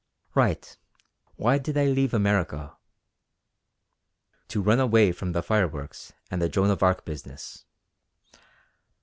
"Right! Why did I leave America?" "To run away from the fireworks and the Joan of Arc business."